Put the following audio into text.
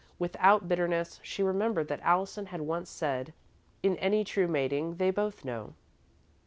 Without bitterness, she remembered that Allison had once said: "In any true mating, they both know."